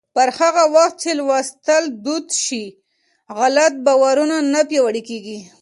پر هغه وخت چې لوستل دود شي، غلط باورونه نه پیاوړي کېږي.